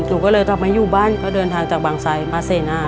หนูก็เลยต้องมาอยู่บ้านเขาเดินทางจากบางชัยมาเซนา